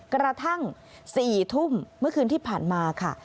กระทั่ง๔ทุ่มเมื่อคืนที่ผ่านมาค่ะ